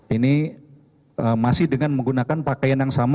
ini masih dengan menggunakan pakaian yang sama